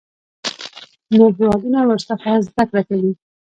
نور هیوادونه ورڅخه زده کړه کوي.